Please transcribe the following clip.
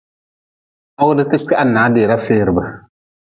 Hogdte kwiharah dira feerbe.